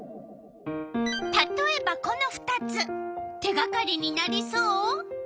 たとえばこの２つ手がかりになりそう？